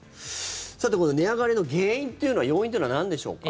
さて、この値上がりの原因要因というのはなんでしょうか？